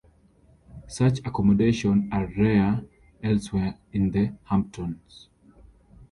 Such accommodations are rarer elsewhere in the Hamptons.